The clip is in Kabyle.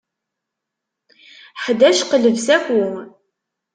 Ḥdac qleb saku.